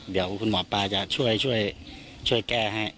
เดี๋ยวคุณหมอปลาจะช่วยแก้ให้